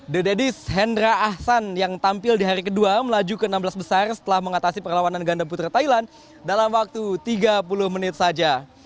the daddies hendra ahsan yang tampil di hari kedua melaju ke enam belas besar setelah mengatasi perlawanan ganda putra thailand dalam waktu tiga puluh menit saja